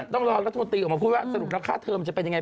ต้องรอรัฐมนตรีออกมาพูดว่าสรุปแล้วค่าเทอมจะเป็นยังไง